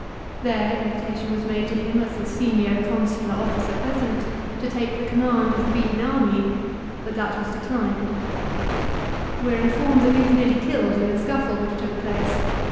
There invitation was made to him as the senior consular officer present to take the command of the beaten army, but that he declined. We are informed that he was nearly killed in the scuffle which took place.